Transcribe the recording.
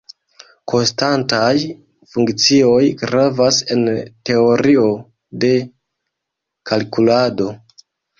Konstantaj funkcioj gravas en teorio de kalkulado.